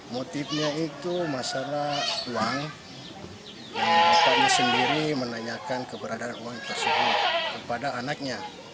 motifnya itu masalah uang bapaknya sendiri menanyakan keberadaan uang tersebut kepada anaknya